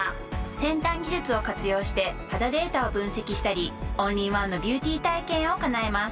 先端技術を活用して肌データを分析したりオンリーワンのビューティー体験を叶えます。